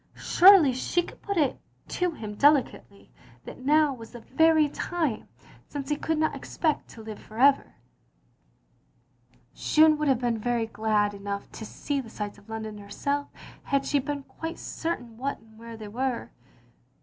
Surely she could put it to him delicately, that now was the very time, since he could not expect to live for ever. 132 THE LONELY LADY Jeanne wotild have been glad enough to see the sights of London herself — ^had she been qmte certain what and where they were.